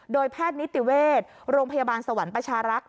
โดยแพทย์นิติเวชโรงพยาบาลสวรรค์ประชารักษ์